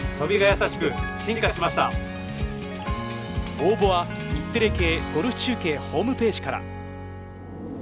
応募は日テレ系ゴルフ中継ホームページから。